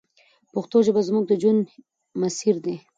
پښتو ژبه زموږ د ژوند مسیر دی.